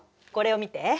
これを見て。